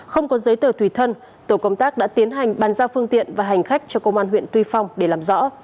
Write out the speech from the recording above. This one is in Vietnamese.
không có giấy tờ tùy thân tổ công tác đã tiến hành bàn giao phương tiện và hành khách cho công an huyện tuy phong để làm rõ